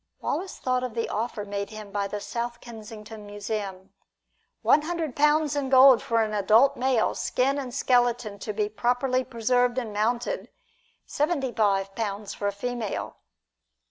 Wallace thought of the offer made him by the South Kensington Museum: "One hundred pounds in gold for an adult male, skin and skeleton to be properly preserved and mounted; seventy five pounds for a female."